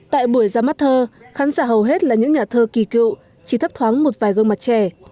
tại buổi ra mắt thơ khán giả hầu hết là những nhà thơ kỳ cựu chỉ thấp thoáng một vài gương mặt trẻ